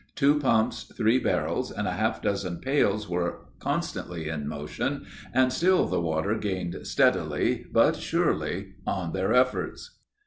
Two pumps, three barrels, and a half dozen pails were constantly in motion, and still the water gained steadily, but surely, on their efforts.